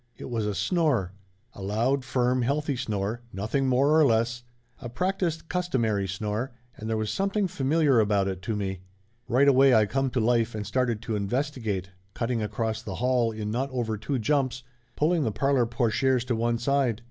It was a snore; a loud, firm, healthy snore, nothing more nor less; a practiced, customary snore, and there was something familiar about it to me. Right away I come to life and started to investigate, cutting across the hall in not over two jumps, pulling the parlor portieres to one side.